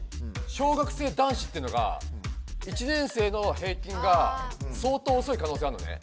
小学生男子っていうのが１年生の平均が相当おそい可能性あるのね。